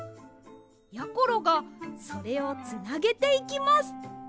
やころがそれをつなげていきます。